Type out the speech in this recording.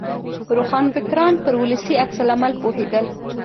روښانفکران پر ولسي عکس العمل پوهېدل.